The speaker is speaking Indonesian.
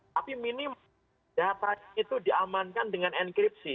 tapi minim data itu diamankan dengan enkripsi